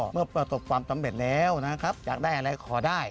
เมื่อประสบความสำเร็จแล้วนะครับอยากได้อะไรขอได้